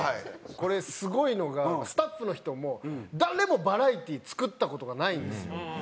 これすごいのがスタッフの人も誰もバラエティー作った事がないんですよ。